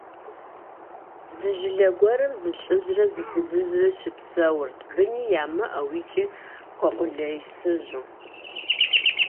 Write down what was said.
Зы жылэ гуэрым зы лӀыжьрэ зы фызыжьрэ щыпсэурт, быни ямыӀэу икӀи хуэкъулейсызу.